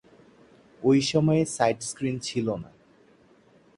ঐ সময়ে sight screen ছিল না।